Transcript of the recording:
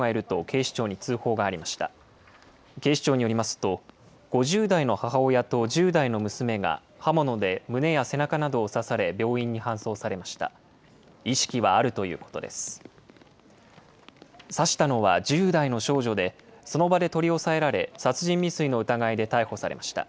警視庁によりますと、５０代の母親と１０代の娘が刃物で胸や背中などを刺され、病院に搬送されました。